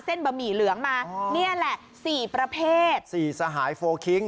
บะหมี่เหลืองมานี่แหละสี่ประเภทสี่สหายโฟลคิง